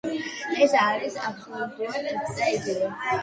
ეს არის აბსოლუტურად ერთი და იგივე.